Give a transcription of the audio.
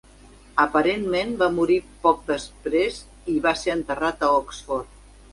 Aparentment, va morir poc després i va ser enterrat a Oxford.